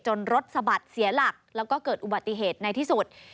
รถสะบัดเสียหลักแล้วก็เกิดอุบัติเหตุในที่สุด